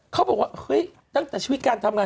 เขาบอกว่าเฮ้ยตั้งแต่ชีวิตการทำงาน